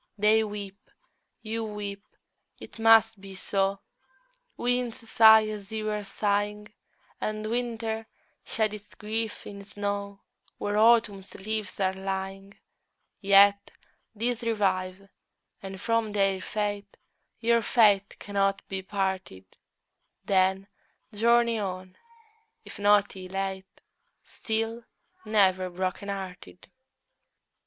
They weep, you weep, it must be so; Winds sigh as you are sighing, And winter sheds its grief in snow Where Autumn's leaves are lying: Yet, these revive, and from their fate Your fate cannot be parted: Then, journey on, if not elate, Still, never broken hearted!